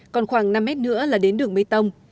còn khoảng năm mét nữa là đến đường mây tông